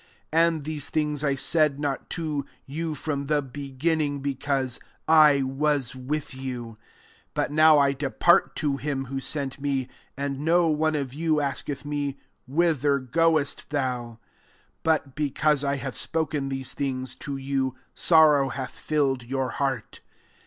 And these things I said not to you from the beginning, be cause I was with you. 5 But now I depart to him who sent me ; and no one of you asketh me, ' Whither goest thou ?' 6 But because I have spoken these things to you^ sorrow hath filled your heart.